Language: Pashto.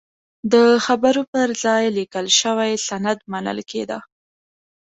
د خبرو پر ځای لیکل شوی سند منل کېده.